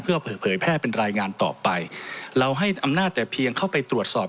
เพื่อเผยแพร่เป็นรายงานต่อไปเราให้อำนาจแต่เพียงเข้าไปตรวจสอบ